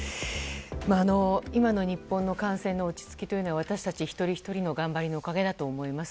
今の日本の感染の落ち着きというのは私たち一人ひとりの頑張りのおかげだと思います。